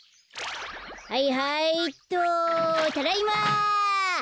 はいはいっとただいま。